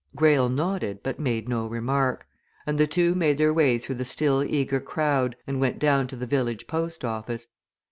Greyle nodded, but made no remark, and the two made their way through the still eager crowd and went down to the village post office.